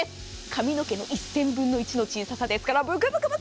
髪の毛の１０００分の１の小ささですからブクブク！